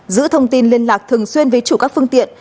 giữ thông tin liên lạc thường xuyên với chủ các phương tiện